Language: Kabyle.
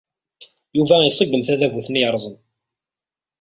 Yuba iṣeggem tadabut-nni yerrẓen.